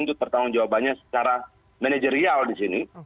untuk pertanggung jawabannya secara manajerial di sini